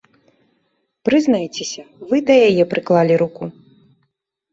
Прызнайцеся, вы да яе прыклалі руку?